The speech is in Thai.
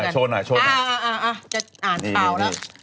อ่าจะอ่านเขาเปล่านแล้ว